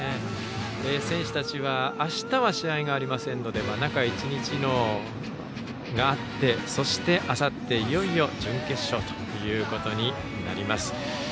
選手たちはあしたは試合がありませんので中１日があってそして、あさっていよいよ準決勝ということになります。